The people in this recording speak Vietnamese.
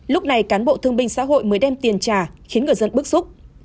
lúc này cán bộ thương binh xã hội mới đem tiền trả khiến người dân bức xúc